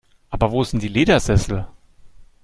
Aber wo sind die Ledersessel?